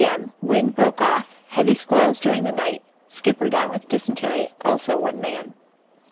M. Wind broke off. Heavy squalls during the night. Skipper down on dysentery, also one man.